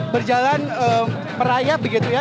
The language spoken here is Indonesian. berjalan merayap begitu ya